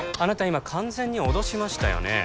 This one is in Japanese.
今完全に脅しましたよね？